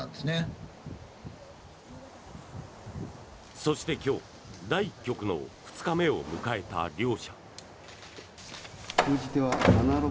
そして今日第１局の２日目を迎えた両者。